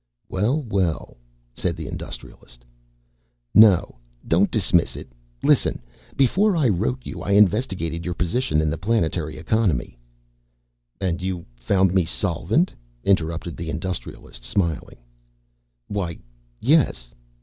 "Well, well," said the Industrialist. "No, don't dismiss it. Listen. Before I wrote you, I investigated your position in the planetary economy." "And you found me solvent?" interrupted the Industrialist, smiling. "Why, yes.